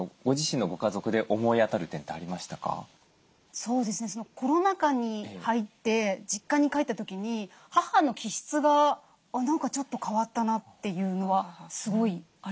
そうですねコロナ禍に入って実家に帰った時に母の気質が「何かちょっと変わったな」というのはすごいありましたね。